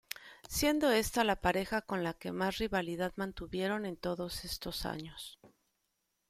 Siendo está la pareja con la que más rivalidad mantuvieron en todos estos años.